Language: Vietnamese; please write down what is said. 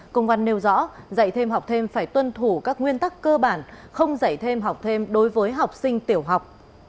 công văn nêu rõ dạy thêm học thêm phải tuân thủ các nguyên tắc cơ bản không dạy thêm học thêm đối với học sinh tiểu học